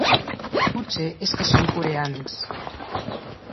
Potser és que són coreans.